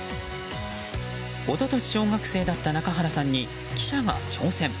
一昨年、小学生だった中原さんに記者が挑戦。